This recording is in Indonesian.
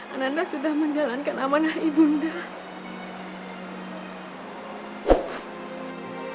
ananda sudah menjalankan amanah ibu undah